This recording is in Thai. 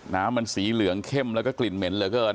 น้ำมันสีเหลืองเข้มแล้วก็กลิ่นเหม็นเหลือเกิน